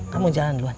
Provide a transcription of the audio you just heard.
kamu jalan duluan